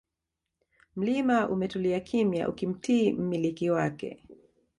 Mlima umetulia kimya ukimtii mmiliki wake